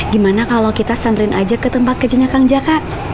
gimana kalau kita samrin aja ke tempat kecilnya kang jaka